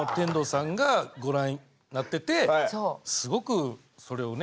すごくそれをね